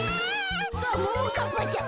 ももかっぱちゃん。